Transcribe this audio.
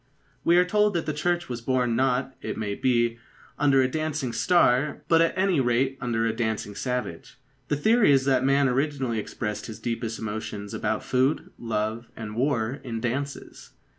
We are told that the Church was born not, it may be, under a dancing star, but at any rate under a dancing savage. The theory is that man originally expressed his deepest emotions about food, love, and war in dances.